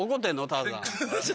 ターザン。